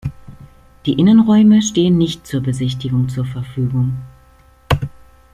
Die Innenräume stehen nicht zur Besichtigung zur Verfügung.